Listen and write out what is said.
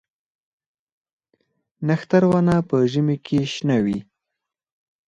نښتر ونه په ژمي کې شنه وي؟